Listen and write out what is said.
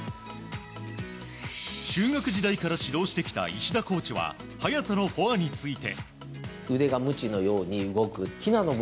中学時代から指導してきた石田コーチは早田のフォアについて。